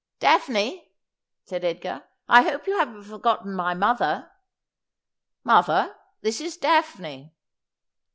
' Daphne,' said Edgar, ' I hope you haven't forgotten my mother. Mother, this is Daphne.'